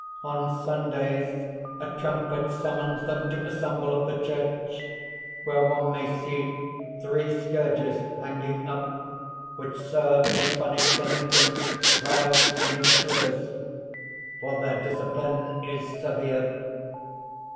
On Sundays a trumpet summons them to assemble at the church, where one may see three scourges hanging up, which serve to punish delinquents, robbers, and intruders; for their discipline is severe.